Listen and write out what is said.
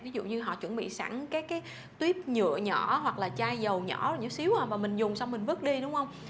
ví dụ như họ chuẩn bị sẵn các cái tuyếp nhựa nhỏ hoặc là chai dầu nhỏ và mình dùng xong mình vứt đi đúng không